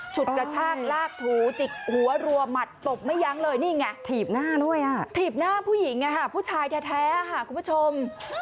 ฉุดกระชากลากถูจิกหัวรัวหมัดตบไม่ยั้งเลยนี่ไงถีบหน้าด้วยอ่ะถีบหน้าผู้หญิงผู้ชายแท้ค่ะคุณผู้ชม